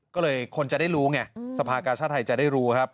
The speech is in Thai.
ก็เลยคนจะได้รู้ไงสภากาชาติไทยจะได้รู้ครับ